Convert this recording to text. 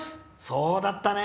そうだったね。